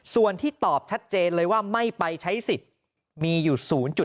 ส่วนที่ตอบชัดเจนเลยว่าไม่ไปใช้สิทธิ์มีอยู่๐๗